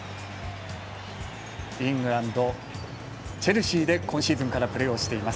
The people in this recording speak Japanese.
イングランドチェルシーで今シーズンからプレーをしています。